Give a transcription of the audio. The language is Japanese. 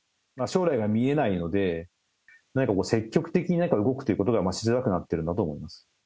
将来が見えないので、何か積極的に動くということがしづらくなってるんだと思います。